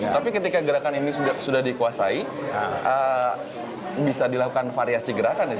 tapi ketika gerakan ini sudah dikuasai bisa dilakukan variasi gerakan ya